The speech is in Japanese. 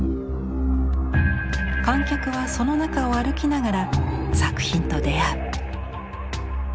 観客はその中を歩きながら作品と出会う。